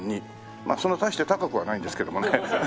まあそんな大して高くはないんですけどもね。